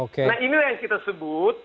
nah inilah yang kita sebut